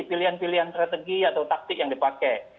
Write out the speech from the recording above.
pilihan pilihan strategi atau taktik yang dipakai